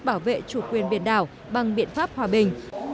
bảo vệ chủ quyền biển đảo bằng biện pháp hòa bình